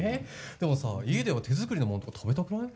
でもさ、家では手作りのもんとか食べたくない？